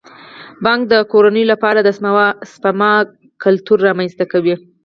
بانک د کورنیو لپاره د سپما کلتور رامنځته کوي.